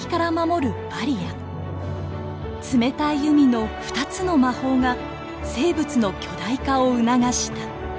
冷たい海の２つの魔法が生物の巨大化を促した。